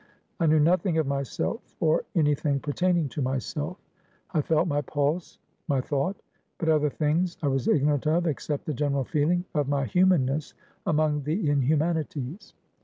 I knew nothing of myself, or any thing pertaining to myself; I felt my pulse, my thought; but other things I was ignorant of, except the general feeling of my humanness among the inhumanities.